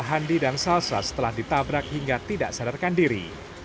handi dan salsa setelah ditabrak hingga tidak sadarkan diri